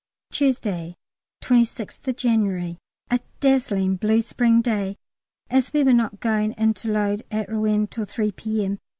Tuesday, 26th January. A dazzling blue spring day. As we were not going in to load at Rouen till 3 P.M.